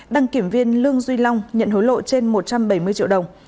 đăng kiểm viên lương duy long nhận hối lộ trên một trăm bảy mươi triệu đồng